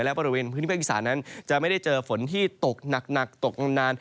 และบริเวณพื้นที่ภาคอีสานั้นจะไม่ได้เจอฝนที่ตกหนักตกนาน